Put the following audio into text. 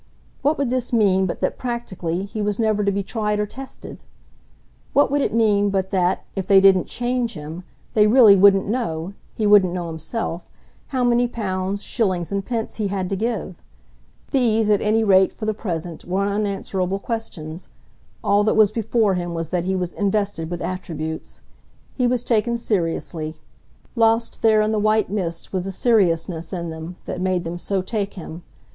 What would this mean but that, practically, he was never to be tried or tested? What would it mean but that, if they didn't "change" him, they really wouldn't know he wouldn't know himself how many pounds, shillings and pence he had to give? These at any rate, for the present, were unanswerable questions; all that was before him was that he was invested with attributes. He was taken seriously. Lost there in the white mist was the seriousness in them that made them so take him.